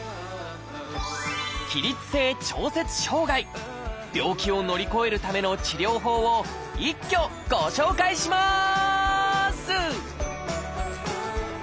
起立性調節障害病気を乗り越えるための治療法を一挙ご紹介します！